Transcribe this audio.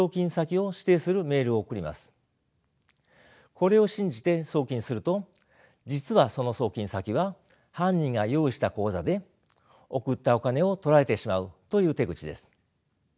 これを信じて送金すると実はその送金先は犯人が用意した口座で送ったお金をとられてしまうという手口です。